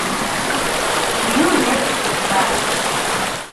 You Nazty Spy!